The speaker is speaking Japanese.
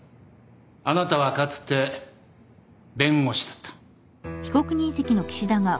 あなたはかつて弁護士だった。